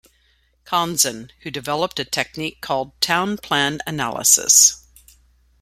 Conzen, who developed a technique called 'town-plan analysis.